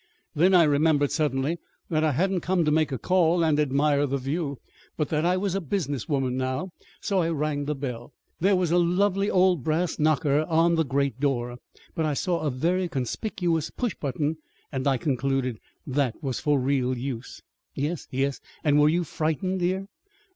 Then I remembered suddenly that I hadn't come to make a call and admire the view, but that I was a business woman now. So I rang the bell. There was a lovely old brass knocker on the great door; but I saw a very conspicuous push button, and I concluded that was for real use." "Yes, yes. And were you frightened, dear?"